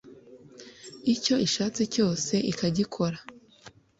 icyo ishatse cyose ikagikora